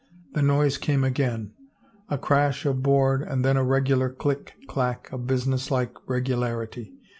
The noise came again — a crash of board and then a regular click clack of businesslike regularity.